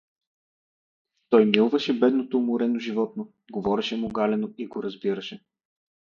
Той милваше бедното уморено животно, говореше му галено и го разбираше.